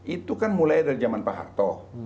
itu kan mulai dari zaman pak harto